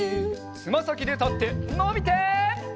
つまさきでたってのびて！